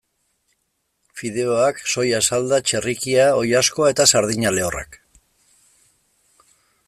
Fideoak, soia salda, txerrikia, oilaskoa eta sardina lehorrak.